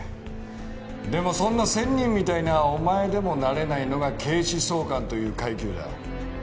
でもそんな仙人みたいなお前でもなれないのが警視総監という階級だ。